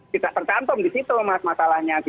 tidak tercantum di situ mas masalahnya